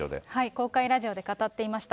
公開ラジオで語っていました。